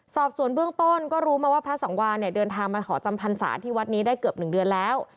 สอบสวนเบื้องต้นก็รู้มาว่าพระสังวานเนี่ยเดินทางมาขอจำพรรษาที่วัดนี้ได้เกือบ๑เดือนแล้ว